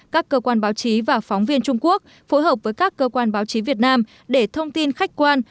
các cơ quan báo chí và phóng viên trung quốc phối hợp với các cơ quan báo chí việt nam để thông tin khách quan